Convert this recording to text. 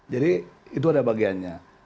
jadi itu ada bagiannya